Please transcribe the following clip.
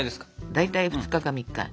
大体２日か３日。